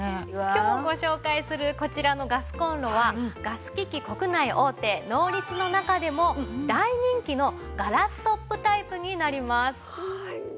今日ご紹介するこちらのガスコンロはガス機器国内大手ノーリツの中でも大人気のガラストップタイプになります。